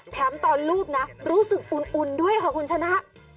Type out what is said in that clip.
แถมตอนลูบนะรู้สึกอุ่นด้วยค่ะคุณชนะ